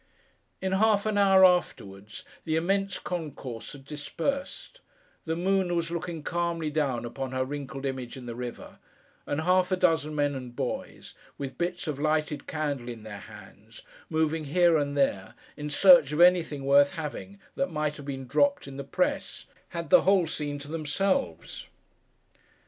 In half an hour afterwards, the immense concourse had dispersed; the moon was looking calmly down upon her wrinkled image in the river; and half a dozen men and boys, with bits of lighted candle in their hands: moving here and there, in search of anything worth having, that might have been dropped in the press: had the whole scene to themselves.